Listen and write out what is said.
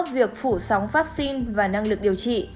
việc phủ sóng vaccine và năng lực điều trị